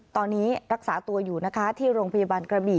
ตอนนี้รักษาตัวอยู่นะคะที่โรงพยาบาลกระบี่